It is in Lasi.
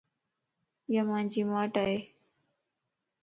ايا مانجي ماٽ ائي